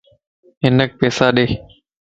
ھنک پيسا ڏي